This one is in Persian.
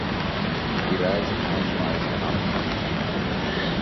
ایرج پنج مایل شنا میکند.